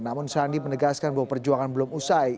namun sandi menegaskan bahwa perjuangan belum usai